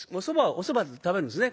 おそばを食べるんですね